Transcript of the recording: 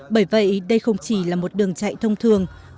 bởi vậy đây không chỉ là một đường chạy thông thường